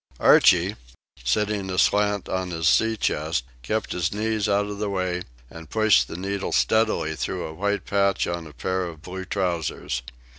Archie, sitting aslant on his sea chest, kept his knees out of the way, and pushed the needle steadily through a white patch in a pair of blue trousers.